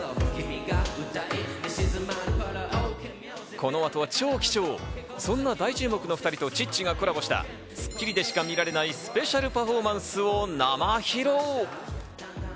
この後は超貴重、そんな大注目の２人とチッチがコラボした『スッキリ』でしか見られないスペシャルパフォーマンスを生披露。